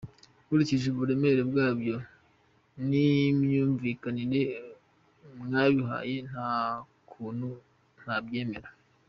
Nkurikije uburemere bwabyo n’imyumvikanire mwabihaye, nta kuntu ntabyemera.